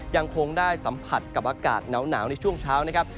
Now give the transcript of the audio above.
ยังคงได้สัมผัสกับอากาศหนาวในช่วงเช้านะครับ